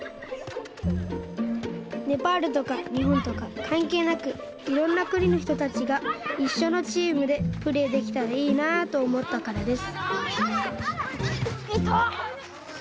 ネパールとかにほんとかかんけいなくいろんなくにのひとたちがいっしょのチームでプレーできたらいいなとおもったからです